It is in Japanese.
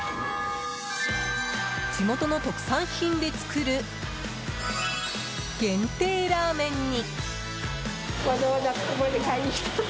地元の特産品で作る限定ラーメンに。